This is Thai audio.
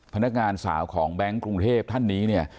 พนักงานสาวของแบงค์กรุงเทพท่านนี้เนี่ย